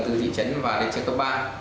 từ thị trấn vào lịch trường cấp ba